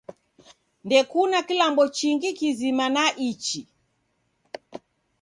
Ndekuna kilambo chingi kizima na ichi